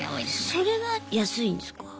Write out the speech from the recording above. それは安いんですか？